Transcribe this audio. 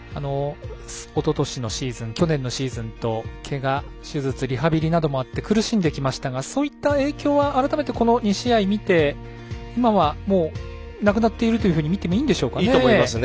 おととしのシーズン去年のシーズンとけが、手術リハビリなどもあって苦しんできましたがそういった影響は改めて２試合見て今は、もうなくなっていると見ていいんですかね。